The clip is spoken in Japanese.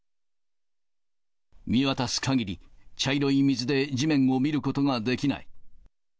見渡す限り茶色い水で地面を見ることができない。